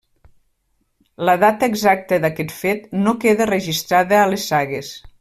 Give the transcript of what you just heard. La data exacta d'aquest fet no queda registrat a les sagues.